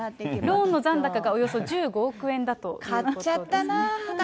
ローンの残高がおよそ１５億円だということです。